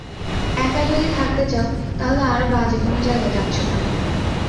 একাই যদি থাকতে চাও, তাহলে আরও বাজে কোনো জায়গায় যাচ্ছ না কেন?